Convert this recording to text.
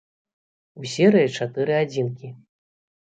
У серыі чатыры адзінкі.